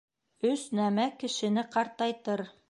Өс нәмә кешене ҡартайтыр: